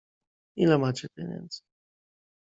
"Ile macie pieniędzy?"